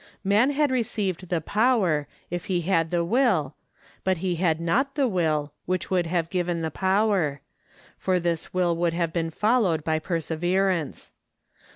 Man had received the power, if he had the will, but he had not the will which would have given the power; for this will would have been followed by perseverance.